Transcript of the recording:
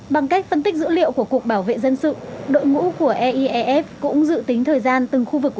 bằng cách phân tích dữ liệu của cục bảo vệ dân sự đội ngũ của eief cũng dự tính thời gian từng khu vực